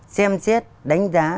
xem xét đánh giá